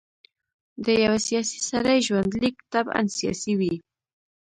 د یوه سیاسي سړي ژوندلیک طبعاً سیاسي وي.